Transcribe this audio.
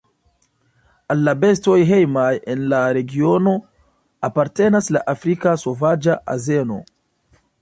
Al la bestoj hejmaj en la regiono apartenas la Afrika sovaĝa azeno.